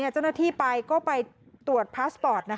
เจ้าหน้าที่ไปก็ไปตรวจพาสปอร์ต